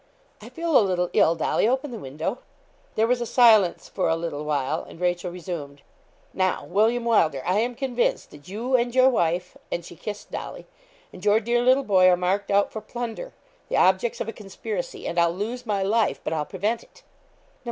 I feel a little ill; Dolly, open the window.' There was a silence for a little while, and Rachel resumed: 'Now, William Wylder, I am convinced, that you and your wife (and she kissed Dolly), and your dear little boy, are marked out for plunder the objects of a conspiracy; and I'll lose my life, but I'll prevent it.'